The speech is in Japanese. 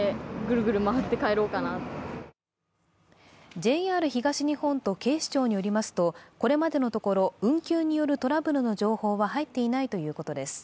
ＪＲ東日本と警視庁によりますとこれまでのところ、運休によるトラブルの情報は入っていないということです。